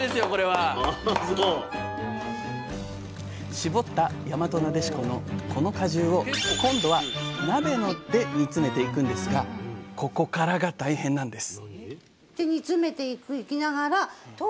搾ったやまとなでしこのこの果汁を今度は鍋で煮詰めていくんですがここからが大変なんです！